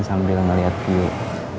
sambil melihat view